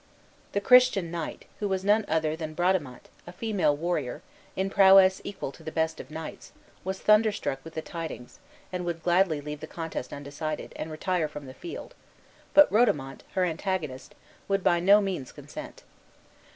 The Christian knight, who was none other than Bradamante, a female warrior, in prowess equal to the best of knights, was thunderstruck with the tidings, and would gladly leave the contest undecided, and retire from the field; but Rodomont, her antagonist, would by no means consent.